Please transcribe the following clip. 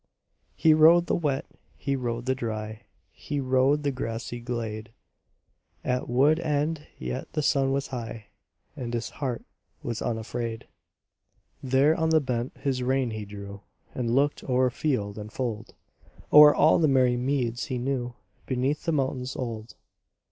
He rode the wet, he rode the dry, He rode the grassy glade: At Wood end yet the sun was high, And his heart was unafraid. There on the bent his rein he drew, And looked o'er field and fold, O'er all the merry meads he knew Beneath the mountains old.